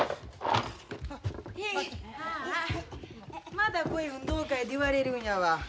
また運動会で言われるんやわ。